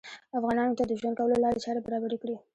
افغانانو ته د ژوند کولو لارې چارې برابرې کړې